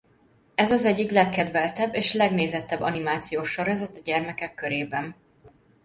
Ez az egyik legkedveltebb és legnézettebb animációs sorozat a gyermekek körében.